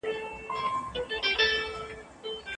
په دغي کیسې کي ډېر عجايب دي.